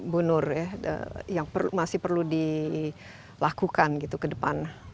bu nur ya yang masih perlu dilakukan gitu ke depan